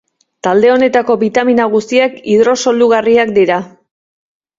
Talde honetako bitamina guztiak hidrosolugarriak dira.